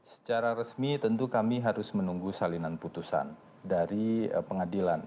secara resmi tentu kami harus menunggu salinan putusan dari pengadilan